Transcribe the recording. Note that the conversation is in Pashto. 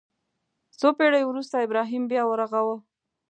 څو پېړۍ وروسته ابراهیم بیا ورغاوه.